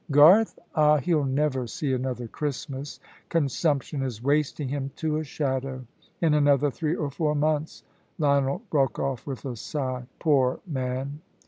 "Garth? Ah, he'll never see another Christmas. Consumption is wasting him to a shadow. In another three or four months " Lionel broke off with a sigh, "Poor man!"